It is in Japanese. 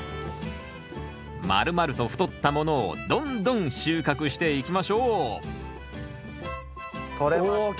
まるまると太ったものをどんどん収穫していきましょうとれました。